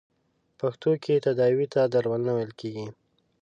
په پښتو کې تداوې ته درملنه ویل کیږی.